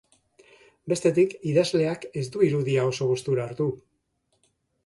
Bestetik, idazleak ez du irudia oso gustura hartu.